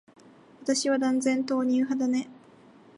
私は断然、豆乳派だね。